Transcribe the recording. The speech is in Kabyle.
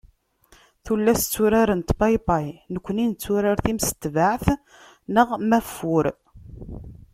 Tullas tturarent paypay, nekkni netturar timestabeɛt neɣ maffur.